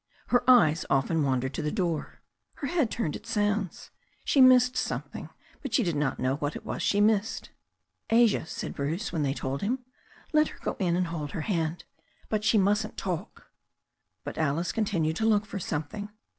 Her eyes often wan dered to the door. Her head turned at sounds. She missed something, but she did not know what it was she missed. "Asia," said Bruce, when they told him. "Let her go in and hold her hand. But she mustn't talk." But Alice continued to look for something.